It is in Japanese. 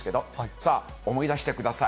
さあ、思い出してください。